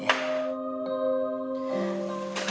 nah mama terima aja ya